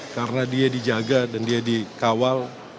karena dia dijaga dan dia dikawal